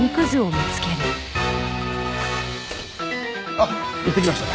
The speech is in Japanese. あっ行ってきました。